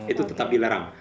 itu tetap dilarang